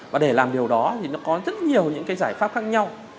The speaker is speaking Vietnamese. và để làm điều đó thì nó có rất nhiều những cái giải pháp khác nhau